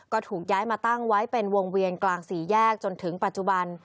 ก็ถูกย้ายมาตั้งไว้เป็นวงเวียนกลางสี่แยกจนถึงปัจจุบัน